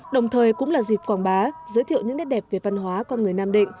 đồng thời cũng là dịp quảng bá giới thiệu những nét đẹp về văn hóa con người nam định